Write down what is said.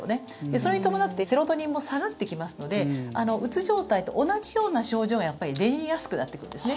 それに伴ってセロトニンも下がってきますのでうつ状態と同じような症状が出やすくなってくるんですね。